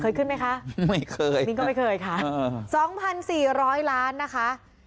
เคยขึ้นไหมคะไม่เคยบินก็ไม่เคยค่ะเออสองพันสี่ร้อยล้านนะคะ